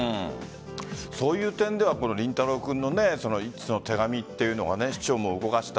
そういう点では凛太郎君の一通の手紙というのが市長も動かした。